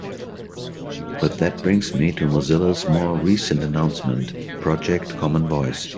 But that brings me to Mozilla's more recent announcement: Project Common Voice.